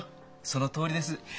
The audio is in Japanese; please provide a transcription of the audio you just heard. そのとおりです。